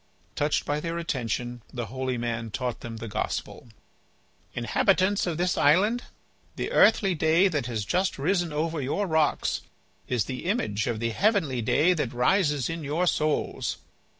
Touched by their attention, the holy man taught them the Gospel. "Inhabitants of this island, the earthly day that has just risen over your rocks is the image of the heavenly day that rises in your souls.